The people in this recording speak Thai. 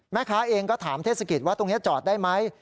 แม่ค้าเองก็ถามเทศกิจว่าตรงนี้จอดได้ไหม